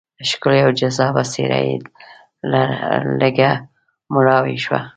ښکلې او جذابه څېره یې لږه مړاوې شوه.